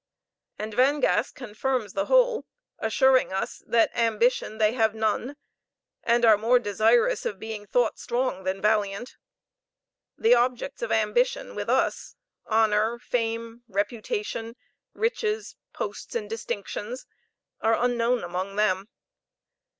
And Vane gas confirms the whole, assuring us that "ambition they have none, and are more desirous of being thought strong than valiant. The objects of ambition with us honor, fame, reputation, riches, posts, and distinctions are unknown among them.